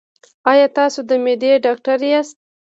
ایا تاسو د معدې ډاکټر یاست؟